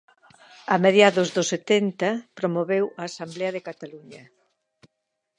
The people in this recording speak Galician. A mediados do setenta promoveu a Asemblea de Cataluña.